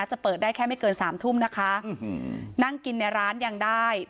จะเปิดได้แค่ไม่เกินสามทุ่มนะคะนั่งกินในร้านยังได้